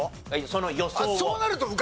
その予想を。